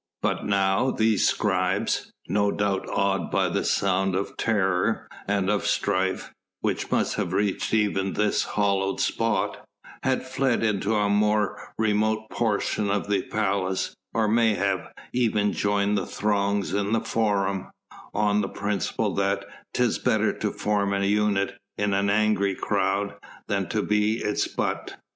But now these scribes, no doubt awed by the sound of terror and of strife which must have reached even this hallowed spot, had fled into the more remote portions of the palace, or mayhap had even joined the throngs in the Forum, on the principle that 'tis better to form an unit in an angry crowd, rather than to be its butt.